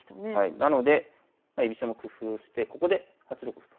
なのでまあ居飛車も工夫してここで８六歩と。